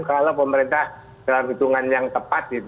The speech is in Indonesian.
kalau pemerintah dalam hitungan yang tepat